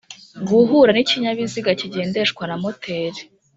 guhura n ikinyabiziga kigendeshwa na moteri.